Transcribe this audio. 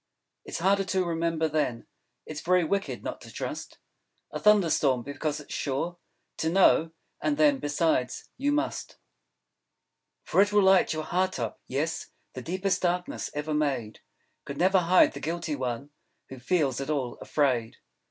It's harder to remember, then: It's Very Wicked not to trust A Thunder Storm. Because it's Sure To know! And then, besides, you Must. _For it will light your Heart up. Yes; The Deepest Darkness ever Made Could Never Hide the Guilty One ... Who feels At All Afraid.